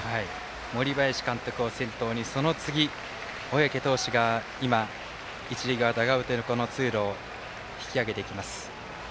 森林監督を先頭にその次小宅投手が今一塁側ダグアウト横の通路を引き揚げていきます。